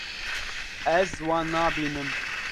Ez wan nabînim.